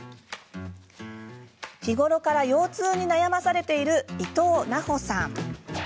日頃から腰痛に悩まされている伊藤菜穂さん。